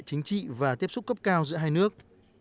chính trị và tiếp xúc cấp cao giữa hai nước